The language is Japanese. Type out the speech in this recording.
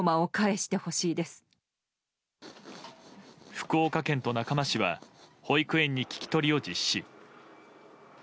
福岡県と中間市は保育園に聞き取りを実施。